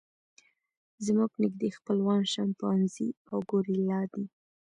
زموږ نږدې خپلوان شامپانزي او ګوریلا دي.